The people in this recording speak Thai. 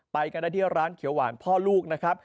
ไปกันได้ที่ร้านเขียวหวานพ่อลูกนะครับ